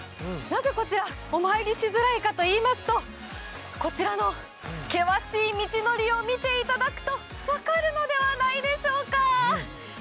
なぜこちら、お参りしづらいかと言いますとこちらの険しい道のりを見ていただくと分かるのではないでしょうか。